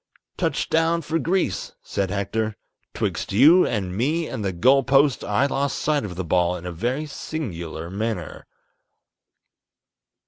"Touch down for Greece," said Hector; "'twixt you and me and the goal post I lost sight of the ball in a very singular manner."